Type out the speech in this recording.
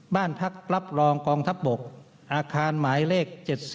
บ้านพักรับรองกองทัพบกอาคารหมายเลข๗๒